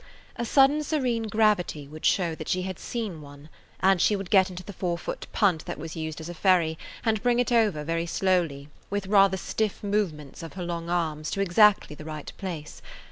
A sudden serene gravity would show that she had seen one, and she would get into the four foot punt that was used as a ferry and bring it over very slowly, with rather stiff movements of her long arms, to exactly the right place.